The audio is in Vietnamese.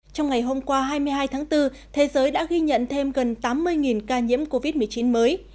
trong ngày hôm qua hai mươi hai tháng bốn thế giới đã ghi nhận thêm gần tám mươi ca nhiễm covid một mươi chín mới